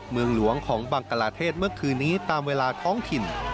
เมืองหลวงของบังกลาเทศเมื่อคืนนี้ตามเวลาท้องถิ่น